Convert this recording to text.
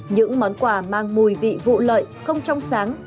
những món quà mang mùi vị vụ lợi không trong sáng